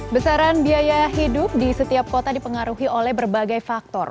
besaran biaya hidup di setiap kota dipengaruhi oleh berbagai faktor